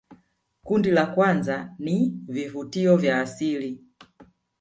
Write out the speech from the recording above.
kundi la kwanza ni vivutio vya asili